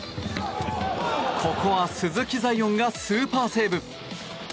ここは鈴木彩艶がスーパーセーブ！